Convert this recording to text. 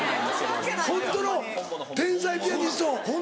ホントの天才ピアニスト。